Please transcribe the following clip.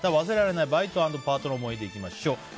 忘れられないバイト＆パートの思い出、いきましょう。